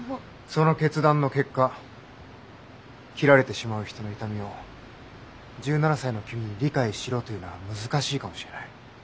その決断の結果切られてしまう人の痛みを１７才の君に理解しろというのは難しいかもしれない。